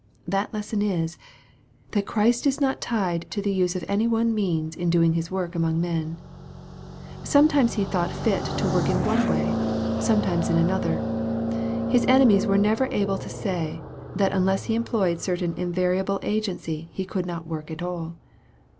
That lesson is, that Christ was not tied to the use of any one means in doing His works among men. Sometimes He thought fit to work in one way, sometimes in another. His enemies were never able to say, that unless He employed certain invariable agency He could not work at all.